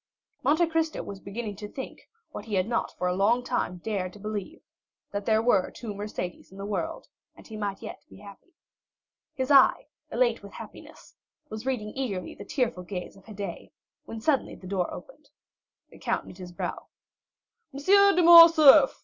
Monte Cristo was beginning to think, what he had not for a long time dared to believe, that there were two Mercédès in the world, and he might yet be happy. His eye, elate with happiness, was reading eagerly the tearful gaze of Haydée, when suddenly the door opened. The count knit his brow. "M. de Morcerf!"